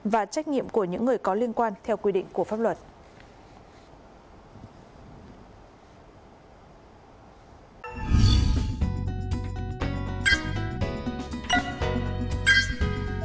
và trách nhiệm của những người có liên quan theo quy định của pháp luật